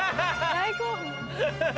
大興奮。